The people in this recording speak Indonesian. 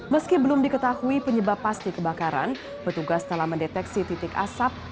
meski belum diketahui penyebab pasti kebakaran petugas telah mendeteksi titik asap